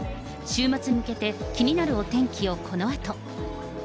週末に向けて気になるお天気をこのあと。